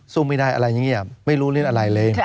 ซูมวินัยอะไรอย่างนี้ไม่รู้เล่นอะไรเลย